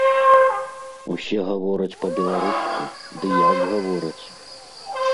Усе гавораць па-беларуску, ды як гавораць!